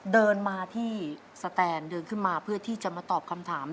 เดินมาที่สแตนเดินขึ้นมาเพื่อที่จะมาตอบคำถาม